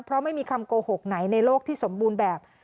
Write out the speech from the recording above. เพราะไม่มีคำโกหกไหนในโลกที่สมบูรณ์แบบ